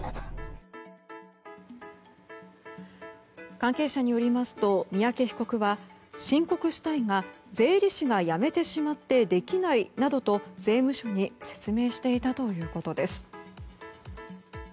関係者によりますと三宅被告は申告したいが税理士が辞めてしまってできないなどと、税務署に説明していたということです。